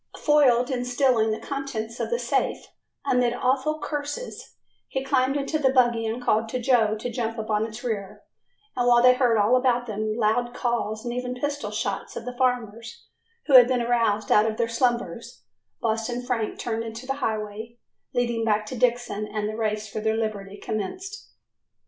Foiled in stealing the contents of the safe, amid awful curses, he climbed into the buggy and called to Joe to jump upon its rear, and while they heard all around them loud calls and even pistol shots of the farmers, who had been aroused out of their slumbers, Boston Frank turned into the highway leading back to Dixon and the race for their liberty commenced.